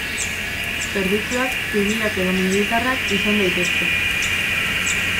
Zerbitzuak zibilak edo militarrak izan daitezke.